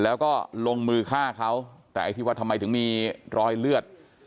แล้วก็ลงมือฆ่าเขาแต่ไอ้ที่ว่าทำไมถึงมีรอยเลือด